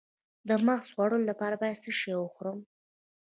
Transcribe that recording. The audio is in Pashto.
د مغز د خوړو لپاره باید څه شی وخورم؟